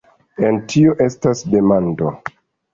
En tio estas demando!